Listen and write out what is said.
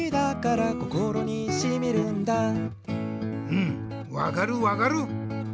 うんわかるわかる。